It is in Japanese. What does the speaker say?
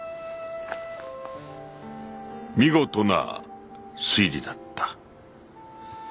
見事な推理だった。